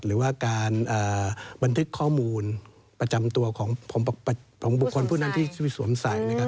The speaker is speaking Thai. หรือว่าการบันทึกข้อมูลประจำตัวของบุคคลผู้นั้นที่ไปสวมใส่นะครับ